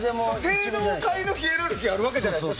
芸能界のヒエラルキーがあるわけじゃないですか。